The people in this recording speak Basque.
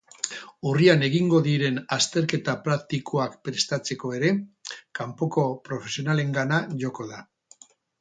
Urrian egingo diren azterketa praktikoak prestatzeko ere, kanpoko profesionalengana joko da.